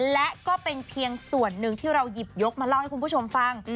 และก็เป็นเพียงส่วนหนึ่งที่เราหยิบยกมาเล่าให้คุณผู้ชมฟัง